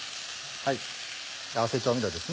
合わせ調味料です。